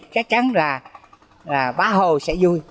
chắc chắn là bá hồ sẽ vui